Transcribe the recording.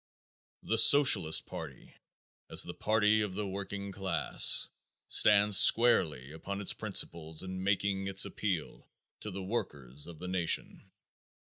The Socialist party as the party of the working class stands squarely upon its principles in making its appeal to the workers of the nation.